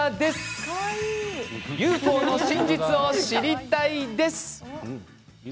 ＵＦＯの真実を知りたいです。